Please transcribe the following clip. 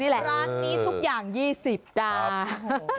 ร้านนี้ทุกอย่าง๒๐จ้า